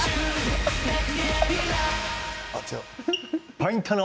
ポイントは。